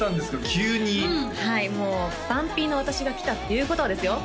急にはいもう番Ｐの私が来たっていうことはですよ